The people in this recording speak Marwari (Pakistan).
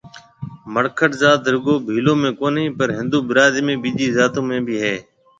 مڙکٽ ذات رُگو ڀيلون ۾ ڪونِي پر هندو برادرِي ۾ ٻِيجِي ذاتون ۾ بهيَ هيَ